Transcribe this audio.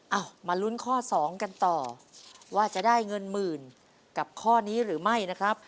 เอามาลุ้นข้อสองกันต่อว่าจะได้เงินหมื่นกับข้อนี้หรือไม่นะครับ